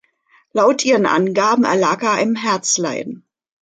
Laut ihren Angaben erlag er einem Herzleiden.